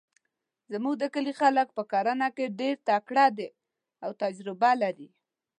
زموږ د کلي خلک په کرنه کې ډیرتکړه ده او تجربه لري